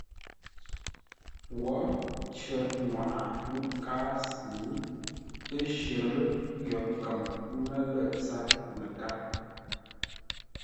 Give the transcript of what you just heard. Wǒ cər ŋwaʼa Lúʼkáasʉ ə́ shərə́ yo kəm nŋə́ lə̂ tsâr məkár.